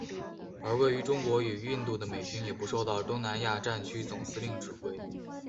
而位于中国与印度的美军也不受到东南亚战区总司令指挥。